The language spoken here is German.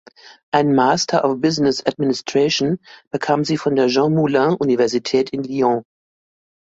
Einen Master of Business Administration bekam sie von der Jean Moulin Universität in Lyon.